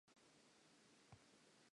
Fofonela ho utlwa kgase e dutlang.